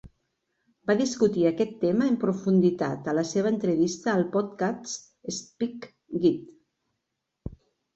Va discutir aquest tema en profunditat a la seva entrevista al podcast "Skeptics' Guide".